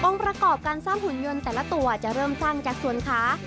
ประกอบการสร้างหุ่นยนต์แต่ละตัวจะเริ่มสร้างจากส่วนขา